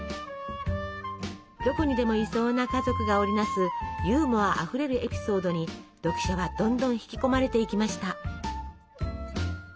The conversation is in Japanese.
どこにでもいそうな家族が織り成すユーモアあふれるエピソードに読者はどんどん引き込まれていきました。